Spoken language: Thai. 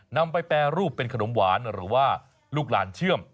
นำไปแปรรูปเป็นขนมหวานหรือว่าลูกหลานเชื่อม